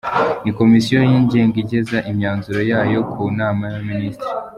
Ni komisiyo yigenga igeza imyanzuro yayo ku nama y’abaminisitiri.